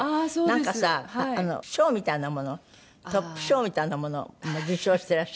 なんかさ賞みたいなものをトップ賞みたいなものを受賞してらっしゃるんですって？